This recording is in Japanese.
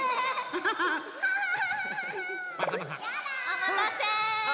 おまたせ！